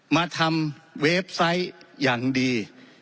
มาทำเว็บไซต์อย่างดี